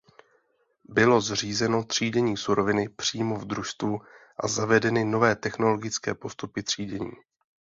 Bylo zřízeno třídění suroviny přímo v družstvu a zavedeny nové technologické postupy třídění.